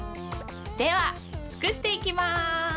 ではつくっていきます。